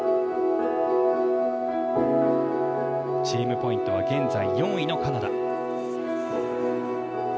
チームポイントは現在４位のカナダ。